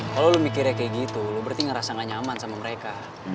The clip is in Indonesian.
kalau lo mikirnya kayak gitu lo berarti ngerasa gak nyaman sama mereka